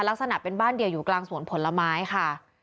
ลักษณะเป็นบ้านเดียวอยู่กลางสวนผลไม้ค่ะ